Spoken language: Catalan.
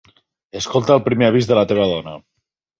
Escolta el primer avís de la teva dona.